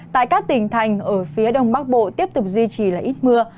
tại các tỉnh thành ở phía đông bắc bộ tiếp tục duy trì là ít mưa